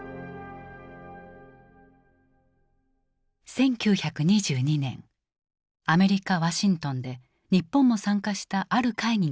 １９２２年アメリカ・ワシントンで日本も参加したある会議が開かれた。